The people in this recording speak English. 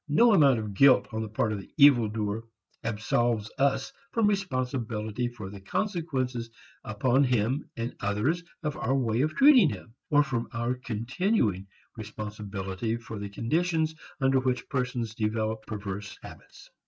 No amount of guilt on the part of the evil doer absolves us from responsibility for the consequences upon him and others of our way of treating him, or from our continuing responsibility for the conditions under which persons develop perverse habits.